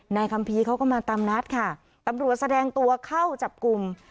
คัมภีร์เขาก็มาตามนัดค่ะตำรวจแสดงตัวเข้าจับกลุ่ม